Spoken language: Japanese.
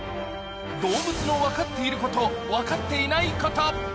どうぶつのわかっていることわかっていないこと。